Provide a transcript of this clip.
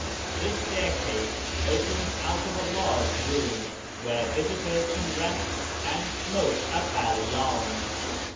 This staircase opens out of a large room, where visitors can rest and smoke a kalydn.